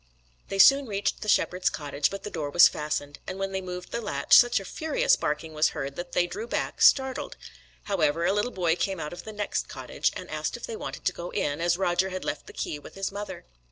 They soon reached the shepherd's cottage, but the door was fastened; and when they moved the latch, such a furious barking was heard that they drew back, startled. However, a little boy came out of the next cottage, and asked if they wanted to go in, as Roger had left the key with his mother.